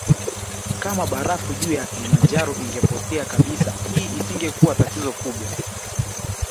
Kama barafu juu ya Kilimanjaro ingepotea kabisa hii isingekuwa tatizo kubwa